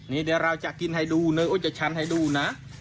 นี่เดี๋ยวเราจะกินให้ดูเนยโอ๊ยจะชันให้ดูนะ